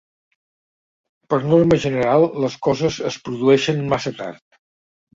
Per norma general les coses es produeixen massa tard